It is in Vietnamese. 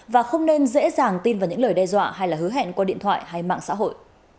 và không nên dễ dàng tin vào những lời đe dọa hay là hứa hẹn qua điện thoại hay mạng xã hội